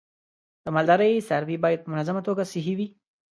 د مالدارۍ څاروی باید په منظمه توګه صحي وي.